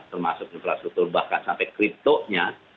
termasuk infrastruktur bahkan sampai kriptonya